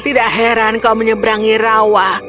tidak heran kau menyeberangi rawa